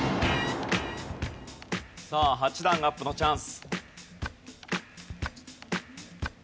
さあ８段アップのチャンス。